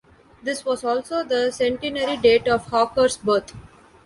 This was also the centenary date of Hawker's birth.